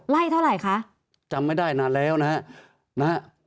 ไล่เท่าไรคะจำไม่ได้นานแล้วนะฮะนะฮะ